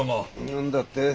何だって？